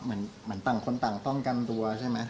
เหมือนต่างคนต่างป้องกันตัวใช่ไหม